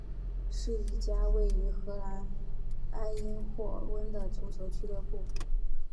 是一家位于荷兰埃因霍温的足球俱乐部。